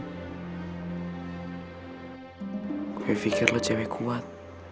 gue terfikir lu cewe kuat